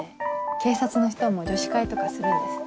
警察の人も女子会とかするんですね。